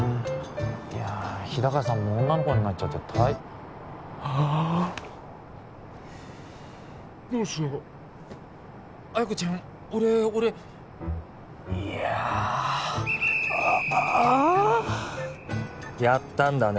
いや日高さんも女の子になっちゃってたいああどうしよう彩子ちゃん俺俺いやああやったんだね